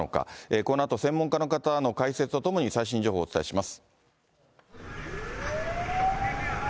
このあと専門家の方の解説とともに最新情報をお伝えします。